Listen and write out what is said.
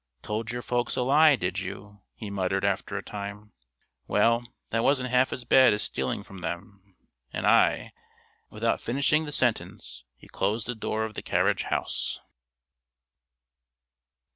"Told your folks a lie, did you?" he muttered after a time. "Well, that wasn't half as bad as stealing from them, and I " Without finishing the sentence, he closed the door of the carriage house.